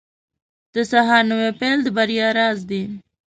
• د سهار نوی پیل د بریا راز دی.